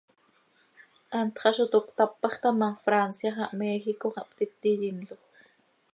Hant xah zo toc cötap hax ta ma, Francia xah Méjico xah ptiti yinloj.